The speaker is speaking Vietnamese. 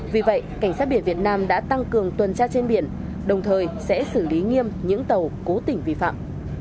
vì vậy cảnh sát biển việt nam đã tăng cường tuần tra trên biển đồng thời sẽ xử lý nghiêm những tàu cố tình vi phạm